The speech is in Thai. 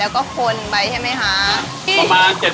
แล้วก็คนไปใช่ไหมคะ